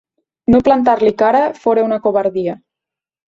No plantar-li cara fora una covardia.